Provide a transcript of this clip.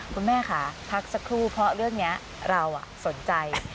คุณแม่ค่ะพักสักครู่เพราะเรื่องนี้เราสนใจ